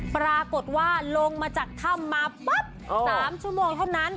ปรากฏว่าลงมาจากถ้ำมาปั๊บ๓ชั่วโมงเท่านั้น